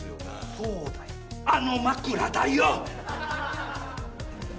そうだよあの枕だよ！